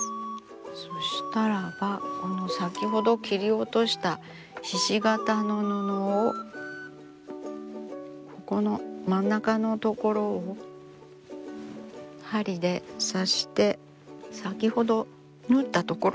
そしたらばこの先ほど切り落としたひし形の布をここの真ん中の所を針で刺して先ほど縫った所ですよね